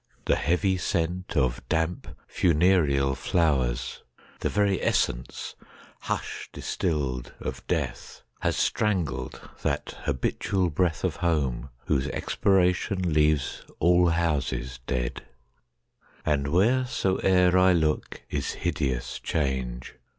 The heavy scent of damp, funereal flowers,—The very essence, hush distilled, of Death—Has strangled that habitual breath of homeWhose expiration leaves all houses dead; And wheresoe'er I look is hideous change.